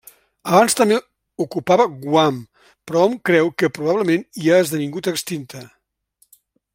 Abans també ocupava Guam però hom creu que, probablement, hi ha esdevingut extinta.